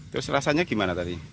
terus rasanya gimana tadi